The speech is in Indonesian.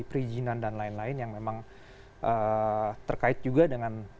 perizinan dan lain lain yang memang terkait juga dengan